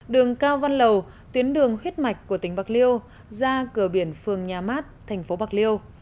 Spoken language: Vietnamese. đường cao văn lầu tuyến đường huyết mạch của tỉnh bạc liêu ra cửa biển phường nhà mát thành phố bạc liêu